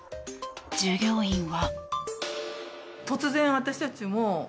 従業員は。